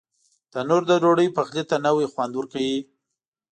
تنور د ډوډۍ پخلي ته نوی خوند ورکوي